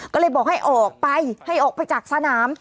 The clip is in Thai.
ก็เลยบอกให้ออกไปให้ออกไปจากสนาม